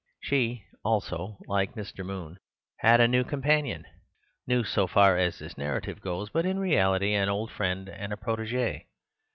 She also, like Mr. Moon, had a new companion, new so far as this narrative goes, but in reality an old friend and a protegee.